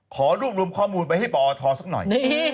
ขอรวบรวมข้อมูลไปให้ปอทสักหน่อย